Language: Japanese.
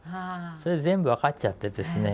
それ全部分かっちゃってですね